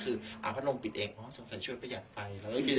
คือเอาพัดลมปิดเองสงสัยช่วยประหยัดไฟ